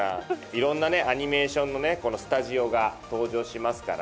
いろんなねアニメーションのねこのスタジオが登場しますから。